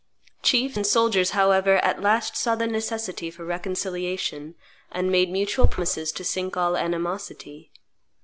Chiefs and soldiers, however, at last, saw the necessity for reconciliation, and made mutual promises to sink all animosity.